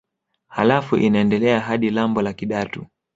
Halafu inaendelea hadi lambo la Kidatu